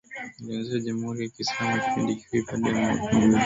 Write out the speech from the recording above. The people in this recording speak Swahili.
yaliyoanzisha Jamhuri ya Kiislamu Kipindi kifupi baada ya mapinduzi